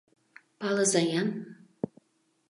Палыза-ян!